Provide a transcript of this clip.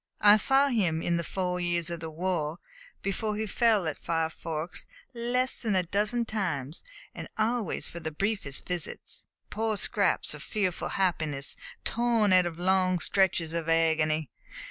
I saw him, in the four years of the war before he fell at Five Forks, less than a dozen times, and always for the briefest visits poor scraps of fearful happiness torn out of long stretches of agony.